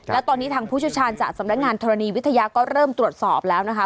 และตอนนี้ทางผู้เชี่ยวชาญจากสำนักงานธรณีวิทยาก็เริ่มตรวจสอบแล้วนะคะ